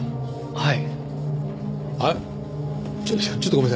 はい。